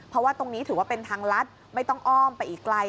เพราะว่าตรงนี้ถือว่าเป็นทางลัดไม่ต้องอ้อมไปอีกไกล